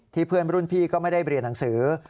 เพื่อนรุ่นพี่ก็ไม่ได้เรียนหนังสือ